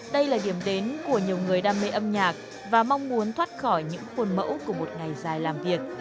đây là điểm đến của nhiều người đam mê âm nhạc và mong muốn thoát khỏi những khuôn mẫu của một ngày dài làm việc